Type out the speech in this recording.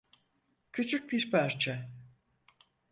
Küçük bir parça.